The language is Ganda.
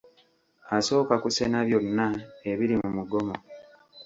Asooka kusena byonna ebiri mu mugomo.